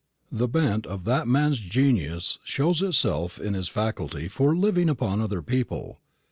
The bent of that man's genius shows itself in his faculty for living upon other people.